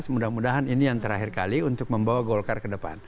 mudah mudahan ini yang terakhir kali untuk membawa golkar ke depan